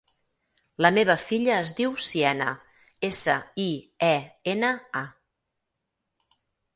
La meva filla es diu Siena: essa, i, e, ena, a.